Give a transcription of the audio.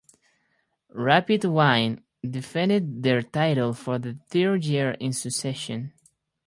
Rapid Wien defended their title for the third year in succession.